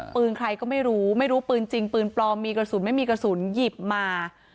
ปืนใครก็ไม่รู้ไม่รู้ปืนจริงปืนปลอมมีกระสุนไม่มีกระสุนหยิบมา